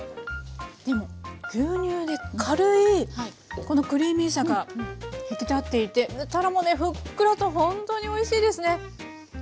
でも牛乳で軽いこのクリーミーさが引き立っていてたらもねふっくらとほんとにおいしいですね！